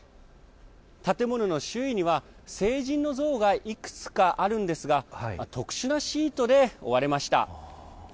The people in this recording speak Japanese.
建物の周囲には聖人の像がいくつかあるんですが特殊なシートで覆われました。